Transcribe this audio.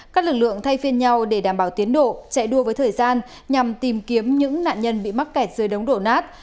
các lực lượng thay phiên nhau để đảm bảo tiến độ chạy đua với thời gian nhằm tìm kiếm những nạn nhân bị mắc kẹt dưới đống đổ nát